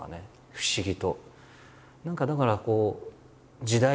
不思議と。